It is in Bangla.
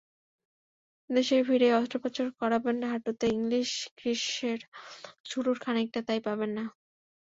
দেশে ফিরেই অস্ত্রোপচার করাবেন হাঁটুতে, ইংলিশ গ্রীষ্মের শুরুর খানিকটা তাই পাবেন না।